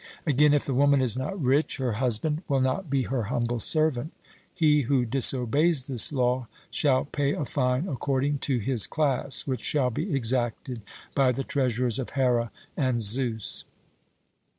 Again, if the woman is not rich, her husband will not be her humble servant. He who disobeys this law shall pay a fine according to his class, which shall be exacted by the treasurers of Here and Zeus.